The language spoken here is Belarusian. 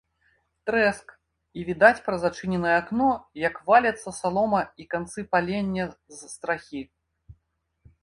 Трэск, і відаць праз адчыненае акно, як валяцца салома і канцы палення з страхі.